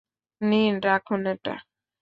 নিন, রাখুন এটা।